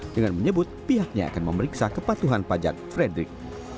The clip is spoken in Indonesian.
dengan menyebut pihaknya akan memeriksa kepatuhan pajak frederick